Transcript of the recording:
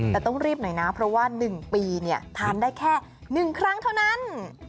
แต่ต้องรีบหน่อยนะเพราะว่า๑ปีทานได้แค่๑ครั้งเท่านั้น